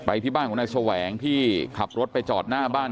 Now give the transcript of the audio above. ที่บ้านของนายแสวงที่ขับรถไปจอดหน้าบ้าน